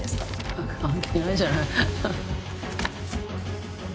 ハッ関係ないじゃない。